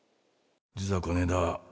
実はこねえだ